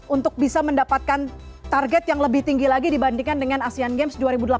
untuk bisa mendapatkan target yang lebih tinggi lagi dibandingkan dengan asean games dua ribu delapan belas